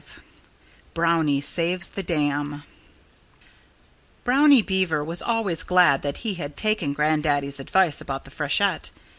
V BROWNIE SAVES THE DAM Brownie Beaver was always glad that he had taken Grandaddy's advice about the freshet.